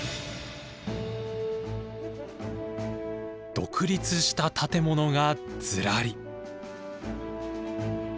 独立した建物がズラリ！